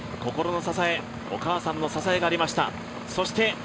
それでも心の支えお母さんの支えがありました。